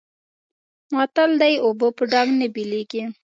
متل دی: اوبه په ډانګ نه بېلېږي.